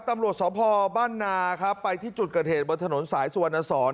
เมื่อตำรวจสอบภอบ้านนาครับไปที่จุดเกิดเหตุบนถนนสายสวนอสร